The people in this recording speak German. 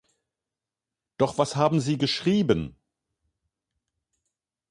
Doch was haben Sie geschrieben?